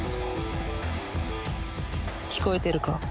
聞こえてるか？